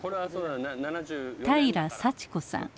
平良幸子さん。